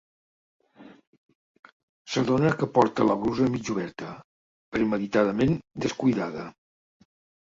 S'adona que porta la brusa mig oberta, premeditadament descuidada.